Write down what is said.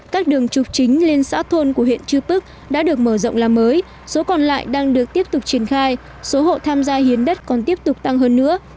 các đường trục chính liên xã thôn của huyện chư pức đã được mở rộng làm mới số còn lại đang được tiếp tục triển khai số hộ tham gia hiến đất còn tiếp tục tăng hơn nữa